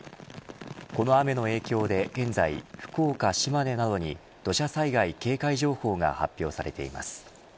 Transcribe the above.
この雨の影響で現在福岡、島根などに土砂災害警戒情報が発表されています。